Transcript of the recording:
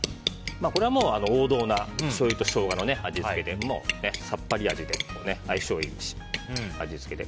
これは王道なしょうゆとショウガの味付けでさっぱり味で相性いい味付けで。